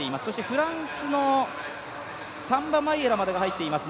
フランスのサンバマイエラまでが入っています。